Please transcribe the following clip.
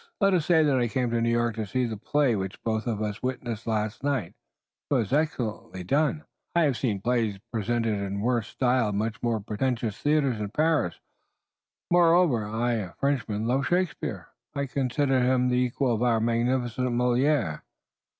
Let us say that I came to New York to see the play which both of us witnessed last night. 'Twas excellently done. I have seen plays presented in worse style at much more pretentious theaters in Paris. Moreover I, a Frenchman, love Shakespeare. I consider him the equal of our magnificent Molière."